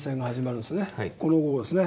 この号ですね。